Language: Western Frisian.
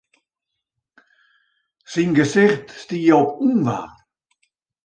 Syn gesicht stie op ûnwaar.